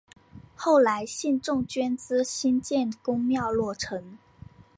后来信众捐资兴建宫庙落成。